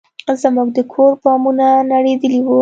زموږ د کور بامونه نړېدلي وو.